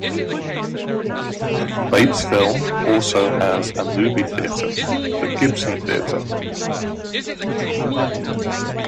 Batesville also has a movie theater, The Gibson Theatre.